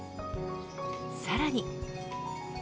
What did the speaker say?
さらに。